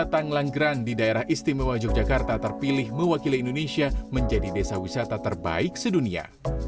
kota ngelanggeran di daerah istimewa yogyakarta terpilih mewakili indonesia menjadi desa wisata terbaik sedunia